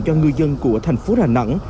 cho ngư dân của thành phố đà nẵng